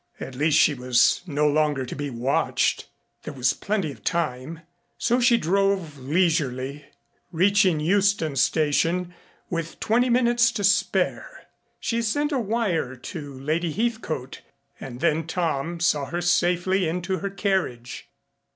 At least, she was no longer to be watched. There was plenty of time, so she drove leisurely, reaching Euston Station with twenty minutes to spare. She sent a wire to Lady Heathcote and then Tom saw her safely into her carriage.